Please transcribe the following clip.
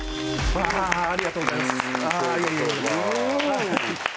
ありがとうございます。